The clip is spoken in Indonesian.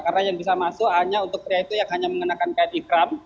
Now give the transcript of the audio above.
karena yang bisa masuk hanya untuk pria itu yang hanya mengenakan kain ikram